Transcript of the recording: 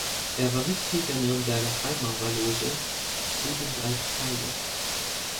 Er war Mitglied der Nürnberger Freimaurerloge "Zu den drei Pfeilen".